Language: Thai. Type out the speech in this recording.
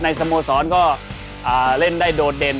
สโมสรก็เล่นได้โดดเด่น